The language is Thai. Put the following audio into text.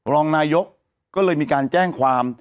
รองนายกก็เลยมีการแจ้งความ